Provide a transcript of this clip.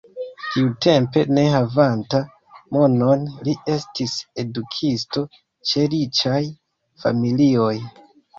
Tiutempe ne havanta monon li estis edukisto ĉe riĉaj familioj.